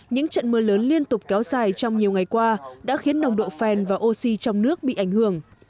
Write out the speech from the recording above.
những trận mưa lớn liên tục kéo dài trong nhiều ngày qua đã khiến nồng độ phèn và oxy trong nước bị ảnh hưởng